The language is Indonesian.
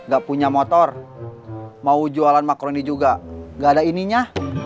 gak punya motor mau jualan makroni juga gak ada ininya